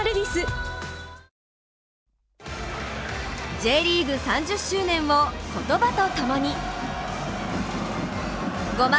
Ｊリーグ３０周年を言葉とともに。